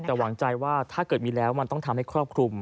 แต่หวังใจว่าถ้าเกิดมีแล้วมันต้องทำให้ครอบคลุม